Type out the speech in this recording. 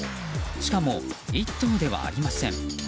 しかも、１頭ではありません。